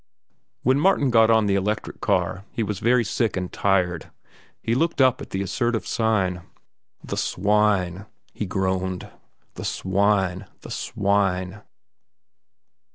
When Martin got on the electric car, he was very sick and tired. He looked up at the assertive sign. "The swine," he groaned. "The swine, the swine."